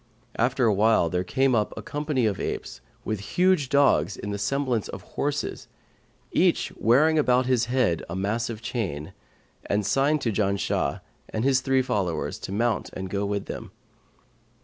After awhile, there came up a company of apes with huge dogs in the semblance of horses, each wearing about his head a massive chain; and signed to Janshah and his three followers to mount and go with them.